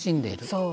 そう。